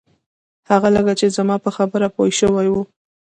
هغه لکه چې زما په خبره پوی شوی و.